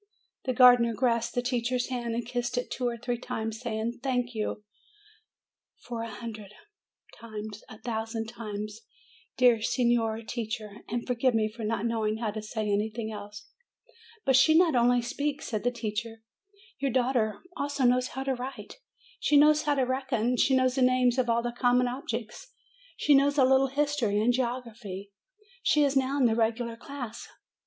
The gardener grasped the teacher's hand and kissed it two or three times, saying : "Thank you f a hundred THE DEAF MUTE 305 times, a thousand times, dear Signora Teacher! and forgive me for not knowing how to say anything else!" "But she not only speaks," said the teacher; "your daughter also knows how to write. She knows how to reckon. She knows the names of all common objects. She knows a little history and geography. She is now in the regular class.